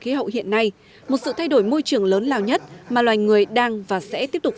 khí hậu hiện nay một sự thay đổi môi trường lớn lao nhất mà loài người đang và sẽ tiếp tục